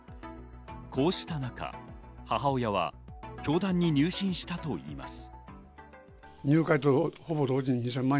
こうした中、母親は教団に入信したといいます。